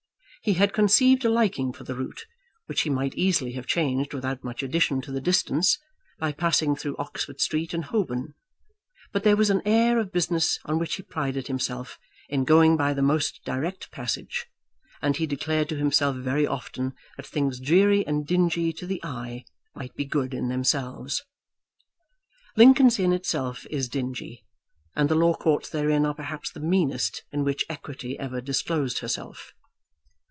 He had conceived a liking for the route, which he might easily have changed without much addition to the distance, by passing through Oxford Street and Holborn; but there was an air of business on which he prided himself in going by the most direct passage, and he declared to himself very often that things dreary and dingy to the eye might be good in themselves. Lincoln's Inn itself is dingy, and the Law Courts therein are perhaps the meanest in which Equity ever disclosed herself.